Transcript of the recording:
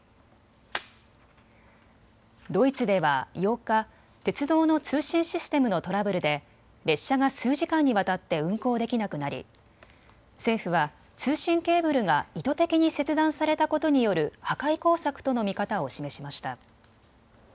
ドイツでは８日、鉄道の通信システムのトラブルで列車が数時間にわたって運行できなくなり政府は通信ケーブルが意図的に切断されたことによる破壊工作との見方を示しました。